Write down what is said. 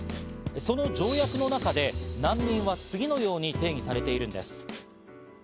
その条約の中で難民は次のように定義されているんです。